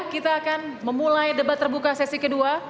kita akan memulai debat terbuka sesi kedua